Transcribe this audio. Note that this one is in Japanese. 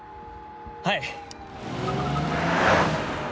はい！